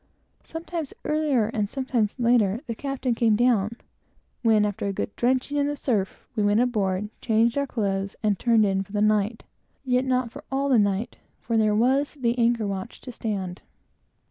Sometimes earlier and sometimes later, the captain came down; when, after a good drenching in the surf, we went aboard, changed our clothes, and turned in for the night yet not for all the night, for there was the anchor watch to stand.